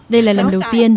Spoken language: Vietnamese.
đây là lần đầu tiên